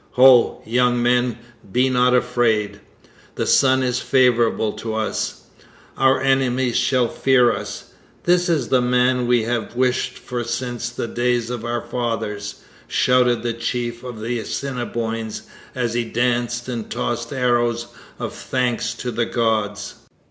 'Ho, young men, be not afraid. The Sun is favourable to us. Our enemies shall fear us. This is the man we have wished for since the days of our fathers,' shouted the chief of the Assiniboines as he danced and tossed arrows of thanks to the gods.